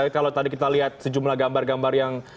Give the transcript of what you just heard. kalau tadi kita lihat sejumlah gambar gambar yang